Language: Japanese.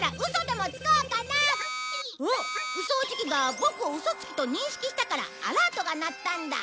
ウソージキがボクをウソつきと認識したからアラートが鳴ったんだ。